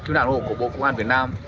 cứu nạn hộ của bộ công an việt nam